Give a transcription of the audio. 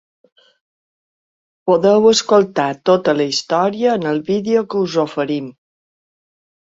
Podeu escoltar tota la història en el vídeo que us oferim.